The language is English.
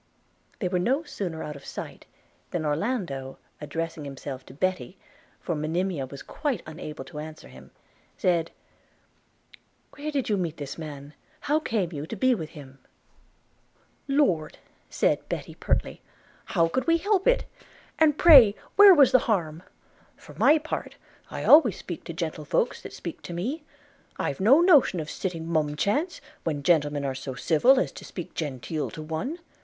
They were no sooner out of sight, than Orlando, addressing himself to Betty (for Monimia was quite unable to answer him), said: 'Where did you meet this man? and how came you to be with him?' 'Lord,' said Betty, pertly, 'how could we help it? and pray where was the harm? For my part, I always speak to gentlefolks that speak to me; I've no notion of sitting mum chance, when gentlemen are so civil as to speak genteel to one.